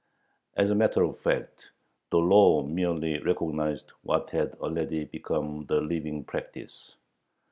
As a matter of fact, the law merely recognized what had already become the living practice.